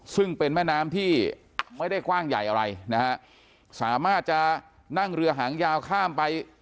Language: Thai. ซึ่งเป็นแม่น้ำที่ไม่ได้กว้างใหญ่อะไรนะฮะสามารถจะนั่งเรือหางยาวข้ามไป